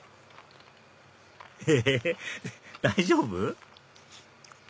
え大丈夫？